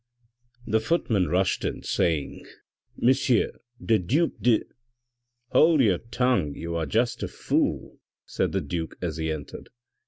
The footman rushed in saying " Monsieur the duke de "" Hold your tongue, you are just a fool," said the duke as he entered.